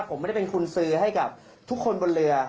ผมไม่ได้เป็นคุณซื้อให้กับทุกคนบนเรือ